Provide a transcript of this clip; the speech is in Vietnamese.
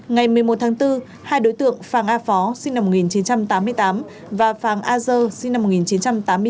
ngày một mươi một tháng bốn hai đối tượng phàng a phó sinh năm một nghìn chín trăm tám mươi tám và phàng a dơ sinh năm một nghìn chín trăm tám mươi chín